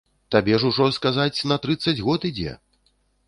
Табе ж ужо, сказаць, на трыццаць год ідзе.